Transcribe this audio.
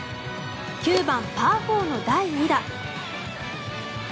９番、パー４の第２打。